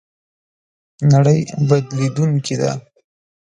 نړۍ بدلېدونکې ده